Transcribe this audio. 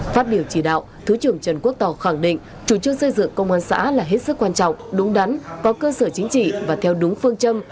phát biểu chỉ đạo thứ trưởng trần quốc tỏ khẳng định chủ trương xây dựng công an xã là hết sức quan trọng đúng đắn có cơ sở chính trị và theo đúng phương châm